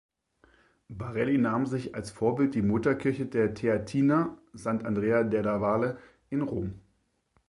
Barelli nahm sich als Vorbild die Mutterkirche der Theatiner, Sant’Andrea della Valle, in Rom.